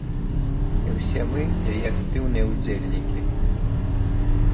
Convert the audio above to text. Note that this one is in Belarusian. І ўсе мы яе актыўныя ўдзельнікі.